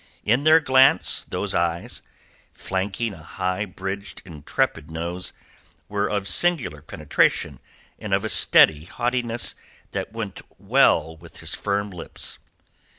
In their glance those eyes, flanking a high bridged, intrepid nose, were of singular penetration and of a steady haughtiness that went well with his firm lips.